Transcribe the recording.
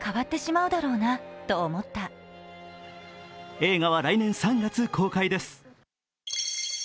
映画は来年３月公開です。